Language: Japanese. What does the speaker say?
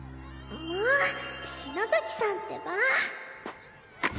もうっ篠崎さんってば